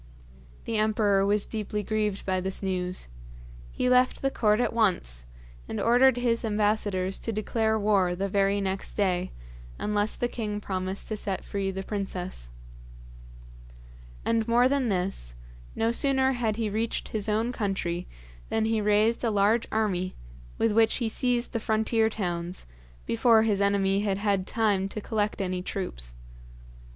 The emperor was deeply grieved by this news. He left the court at once, and ordered his ambassadors to declare war the very next day, unless the king promised to set free the princess. And more than this, no sooner had he reached his own country than he raised a large army, with which he seized the frontier towns, before his enemy had had time to collect any troops.